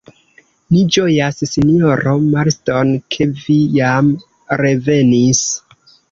Ni ĝojas, sinjoro Marston, ke vi jam revenis.